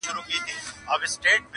سهار چي له خلوته را بهر سې خندا راسي.!